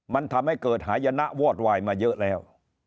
มันทำให้เกิดหายนะวอดวายมาเยอะแล้ว